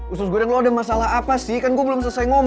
usus goreng lo ada masalah apa sih kan gue belum selesai ngomong